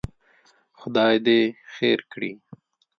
خدای دې خیر کړي.